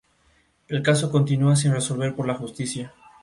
El caso continua sin resolver por la justicia.